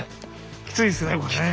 きついですねこれね。